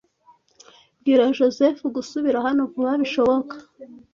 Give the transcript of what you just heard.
Bwira Joseph gusubira hano vuba bishoboka.